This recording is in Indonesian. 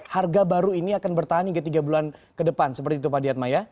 harga baru ini akan bertahan hingga tiga bulan ke depan seperti itu pak di atma ya